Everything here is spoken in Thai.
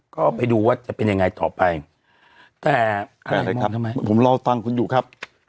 ก็ไปดูว่าจะเป็นยังไงต่อไปแต่อะไรครับทำไมผมรอฟังคุณอยู่ครับ